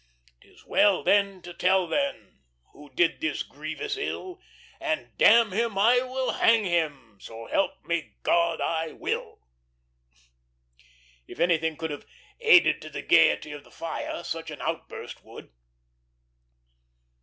"'Tis well, then, to tell, then, Who did this grievous ill; And, d n him, I will hang him, So help me God! I will!" If anything could have added to the gayety of the fire, such an outburst would.